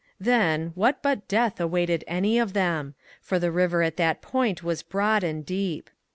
Then, what but death awaited any of them? For the river at that point was broad and deep.